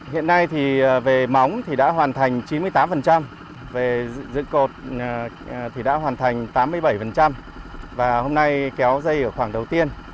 hiện nay thì về móng thì đã hoàn thành chín mươi tám về dự cột thì đã hoàn thành tám mươi bảy và hôm nay kéo dây ở khoảng đầu tiên